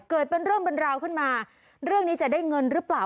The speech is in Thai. เกิดเป็นเรื่องเป็นราวขึ้นมาเรื่องนี้จะได้เงินหรือเปล่า